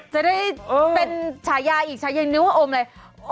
จะได้เป็นฉายาอีกฉายานิ้วว่าอมอะไร